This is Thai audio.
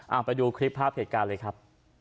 เอาไปดูคลิปภาพเหตุการณ์เลยครับ